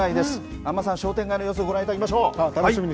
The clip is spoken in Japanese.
安間さん、商店街の様子ご覧いただきましょう。